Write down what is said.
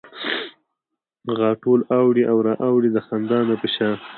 غاټول اوړي او را اوړي د خندا نه په شا